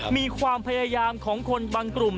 มีความพยายามของคนบางกลุ่ม